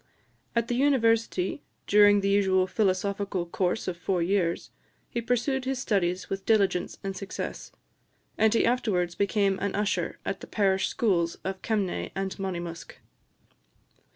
At the University, during the usual philosophical course of four years, he pursued his studies with diligence and success; and he afterwards became an usher in the parish schools of Kemnay and Monymusk.